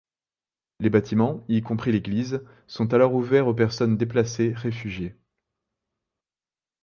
Les bâtiments, y compris l'église, sont alors ouverts aux personnes déplacées réfugiées.